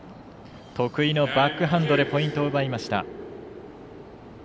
得意のバックハンドでポイントを奪いました。